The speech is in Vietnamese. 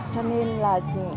cho nên là